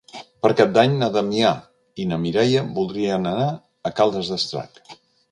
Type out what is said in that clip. Per Cap d'Any na Damià i na Mireia voldrien anar a Caldes d'Estrac.